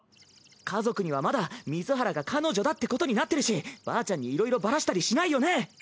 家族にはまだ水原が彼女だってことになってるしばあちゃんにいろいろバラしたりしないよね？